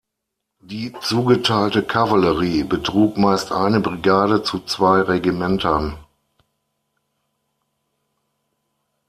Die zugeteilte Kavallerie betrug meist eine Brigade zu zwei Regimentern.